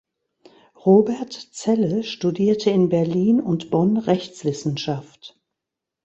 Robert Zelle studierte in Berlin und Bonn Rechtswissenschaft.